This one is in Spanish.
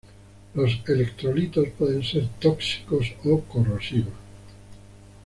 Los electrolitos pueden ser tóxicos o corrosivos.